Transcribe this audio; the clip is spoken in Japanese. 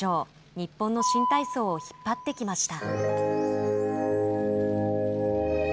日本の新体操を引っ張ってきました。